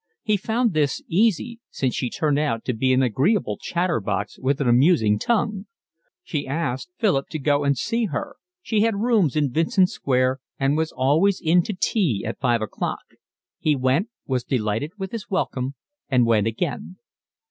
He found this easy, since she turned out to be an agreeable chatterbox with an amusing tongue. She asked Philip to go and see her; she had rooms in Vincent Square, and was always in to tea at five o'clock; he went, was delighted with his welcome, and went again.